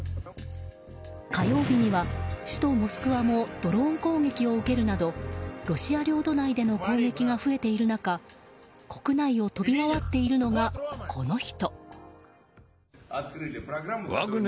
火曜日には、首都モスクワもドローン攻撃を受けるなどロシア領土内での攻撃が増えている中国内を飛び回っているのがこの人。